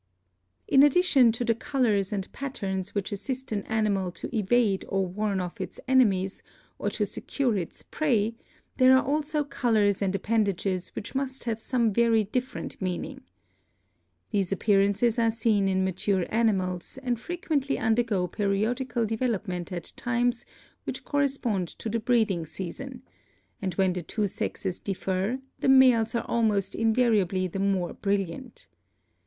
In addition to the colors and patterns which assist an animal to evade or warn off its enemies or to secure its prey there are also colors and appendages which must have some very different meaning. These appearances are seen in mature animals, and frequently undergo pe riodical development at times which correspond to the breeding season; and when the two sexes differ, the males are almost invariably the more brilliant.